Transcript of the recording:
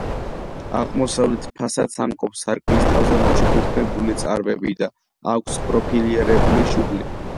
აღმოსავლეთ ფასადს ამკობს სარკმლის თავზე მოჩუქურთმებული წარბები და აქვს პროფილირებული შუბლი.